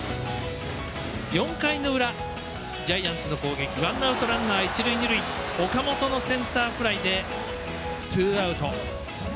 ４回の裏、ジャイアンツの攻撃ワンアウト、ランナー、一塁二塁岡本のセンターフライでツーアウト。